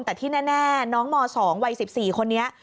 แต่ที่แน่น้องม๒วัย๑๔คนนี้